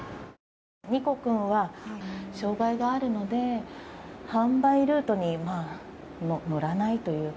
ｎｉｃｏ君は障害があるので販売ルートに乗らないというか。